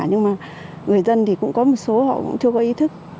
nhưng mà người dân thì cũng có một số họ cũng chưa có ý thức